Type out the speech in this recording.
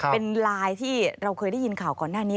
เป็นไลน์ที่เราเคยได้ยินข่าวก่อนหน้านี้